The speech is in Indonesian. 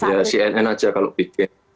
ya cnn aja kalau bikin